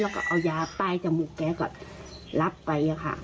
แล้วก็เอายาป้ายจมูกแกก็รับไปค่ะ